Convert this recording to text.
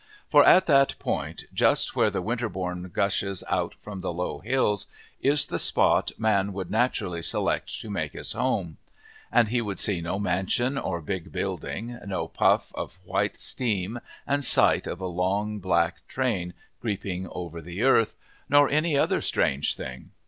For at that point, just where the winterbourne gushes out from the low hills, is the spot man would naturally select to make his home. And he would see no mansion or big building, no puff of white steam and sight of a long, black train creeping over the earth, nor any other strange thing.